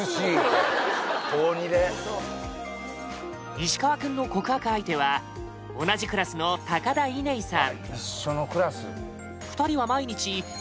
石川くんの告白相手は同じクラスの高田依寧さん